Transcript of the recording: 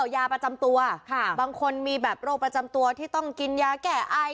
ยาประจำตัวบางคนมีแบบโรคประจำตัวที่ต้องกินยาแก้ไอ